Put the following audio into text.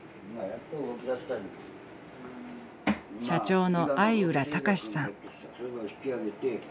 社長の相浦孝さん。